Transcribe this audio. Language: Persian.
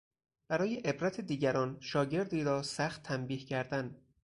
برای عبرت دیگران شاگردی را سخت تنبیه کردن